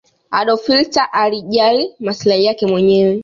adolf hilter alijali masilai yake mwenyewe